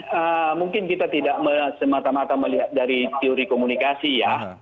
jadi mungkin kita tidak semata mata melihat dari teori komunikasi ya